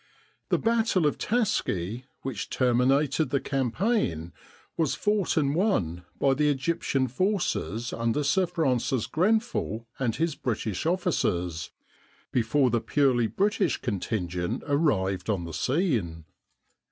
The battle of Taski, which terminated the campaign, was fought and won by the Egyptian forces under Sir Francis Grenfell and his British officers before the purely British contingent arrived on the scene.